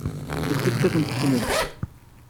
Yessefk ad tent-tessnem.